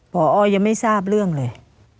พอยังไม่ทราบเรื่องเลย